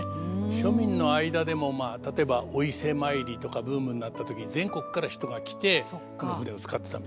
庶民の間でもまあ例えばお伊勢参りとかブームになった時に全国から人が来てこの船を使ってたみたいですね。